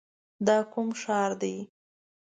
دا کوم ښار دی؟